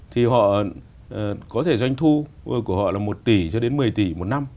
thì họ có thể doanh thu của họ là một tỷ cho đến mười tỷ một năm